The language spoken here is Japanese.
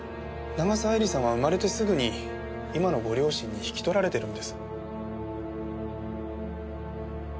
長澤絵里さんは生まれてすぐに今のご両親に引き取られてるんです。